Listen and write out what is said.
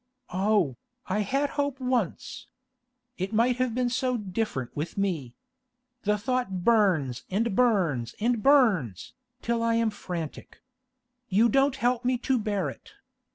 'Oh, I had hope once! It might have been so different with me. The thought burns and burns and burns, till I am frantic. You don't help me to bear it.